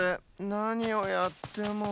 なにをやっても。